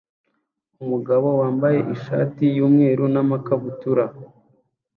Umugabo wambaye ishati yumweru namakabutura